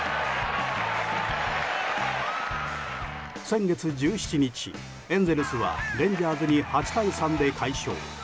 先月１７日エンゼルスはレンジャーズに８対３で快勝。